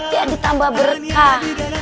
jadi tambah berkah